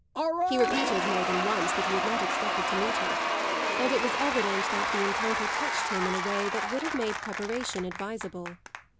He repeated more than once that he had not expected to meet her, and it was evident that the encounter touched him in a way that would have made preparation advisable.